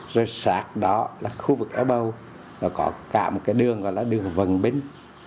rồi sạc đó là khu vực ở bầu nó có cả một cái đường gọi là đường vân binh